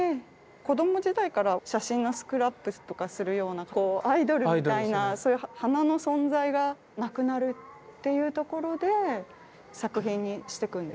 子ども時代から写真のスクラップとかするようなアイドルみたいなそういう花の存在が亡くなるっていうところで作品にしていくんですね。